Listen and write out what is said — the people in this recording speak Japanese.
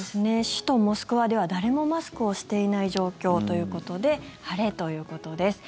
首都モスクワでは誰もマスクをしていない状況ということで晴れということです。